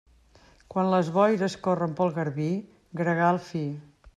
Quan les boires corren pel Garbí, gregal fi.